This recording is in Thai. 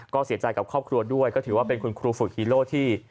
ก็เสียใจกับครอบครัวด้วยก็ถือว่าเป็นคุณครูฝึกฮีโร่ที่